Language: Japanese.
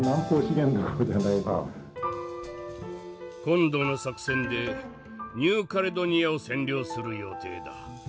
今度の作戦でニューカレドニアを占領する予定だ。